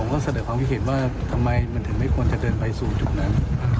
ก็แสดงความคิดเห็นว่าทำไมมันถึงไม่ควรจะเดินไปสู่จุดนั้น